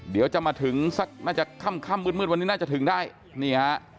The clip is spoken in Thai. เดี๋ยวจะมาถึงสักน่าจะค่ำมืดวันนี้น่าจะถึงได้